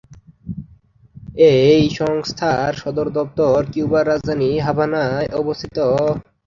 এই সংস্থার সদর দপ্তর কিউবার রাজধানী হাভানায় অবস্থিত।